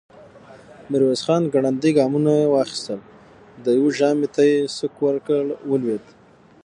ميرويس خان ګړندي ګامونه واخيستل، د يوه ژامې ته يې سوک ورکړ، ولوېد.